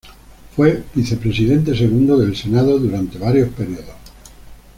Fue Vicepresidente Segundo del Senado durante varios períodos.